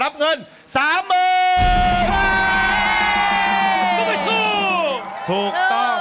โอบอตตอมหาสนุก